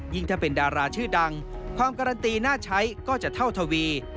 ถ้าเป็นดาราชื่อดังความการันตีน่าใช้ก็จะเท่าทวี